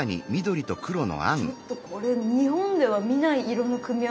ちょっとこれ日本では見ない色の組み合わせですね。